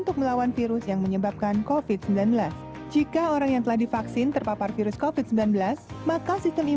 terima kasih anda masih bersama kami